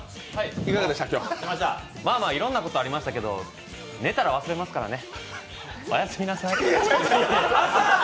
まあまあ、いろんなことありましたけど寝たら忘れますからね。